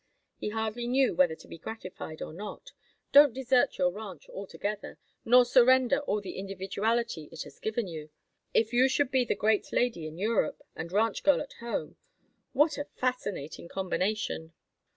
He hardly knew whether to be gratified or not. "Don't desert your ranch altogether—nor surrender all the individuality it has given you. If you should be the great lady in Europe and ranch girl at home—what a fascinating combination!"